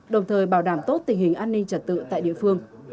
đồng thời bảo đảm tốt tình hình an ninh trật tự tại địa phương